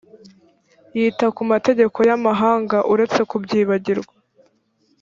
yita ku mategeko y’amahanga uretse kubyibagirwa